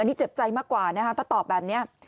นี่เจ็บใจมากกว่านะคะถ้าตอบแบบนี้